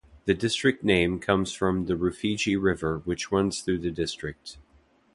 The district name comes from the Rufiji River which runs through the district.